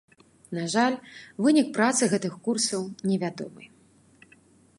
На жаль, вынік працы гэтых курсаў невядомы.